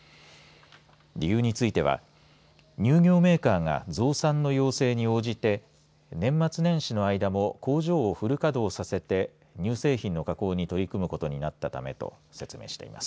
理由については乳業メーカーが増産の要請に応じて年末年始の間も工場をフル稼働させて乳製品の加工に取り組むことになったためと説明しています。